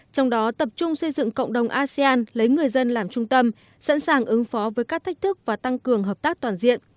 trong đó tập trung xây dựng cộng đồng asean lấy người dân làm trung tâm sẵn sàng ứng phó với các thách thức và tăng cường hợp tác toàn diện